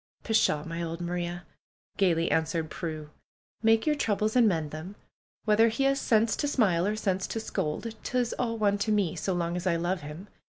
"Pshaw! My old Maria!" gaily answered Prue. "Make your troubles and mend them. Whether he has sense to smile, or sense to scold, 'tis all one to me, so long as I love him.